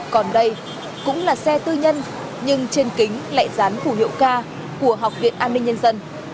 còn đây cũng là xe tư nhân nhưng trên kính lại dán phủ hiệu ca của học viện an ninh nhân dân